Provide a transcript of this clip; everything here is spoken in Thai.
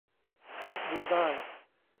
คลิกดูได้